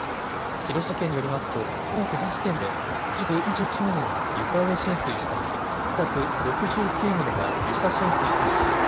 広島県によりますと午前９時時点で住宅２１棟が床上浸水したほか住宅６９棟が床下浸水したということです。